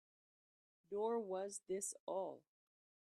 Nor was this all.